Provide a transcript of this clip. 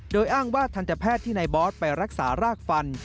โดยอ้างว่าทันตแพทย์ที่นายบอสไปรักษารากฟัน